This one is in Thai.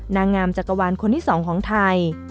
นางงามจักรวาลคนที่๒ของไทย